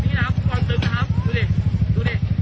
นี่นะครับความตึ๊กนะครับดูดิดูดิ